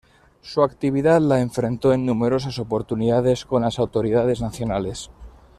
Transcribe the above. Su actividad la enfrentó en numerosas oportunidades con las autoridades nacionales.